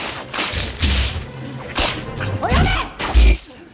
おやめ！